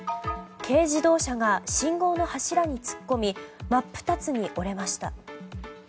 軽自動車が信号の柱に突っ込み真っ二つに折れました。